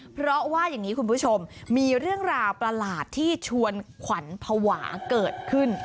เพราะว่าอย่างนี้คุณผู้ชมมีเรื่องราวประหลาดที่ชวนขวัญภาวะเกิดขึ้น